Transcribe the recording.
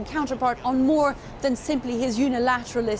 lebih dari hanya kebijakan luar negara unilateral